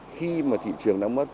khi mà thị trường đã mất